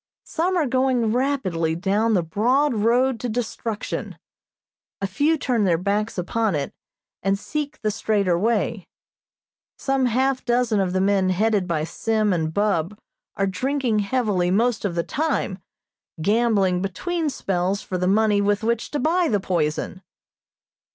Some are going rapidly down the broad road to destruction; a few turn their backs upon it, and seek the straighter way. Some half dozen of the men headed by Sim and Bub are drinking heavily most of the time, gambling between spells for the money with which to buy the poison.